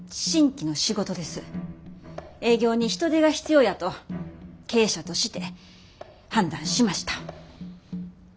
営業に人手が必要やと経営者として判断しました。